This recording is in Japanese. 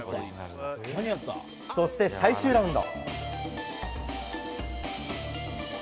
そして最終ラウンド。